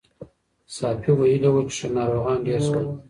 ساپی ویلي وو چې ناروغان ډېر شول.